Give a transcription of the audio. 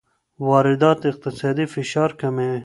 واردات اقتصادي فشار کموي.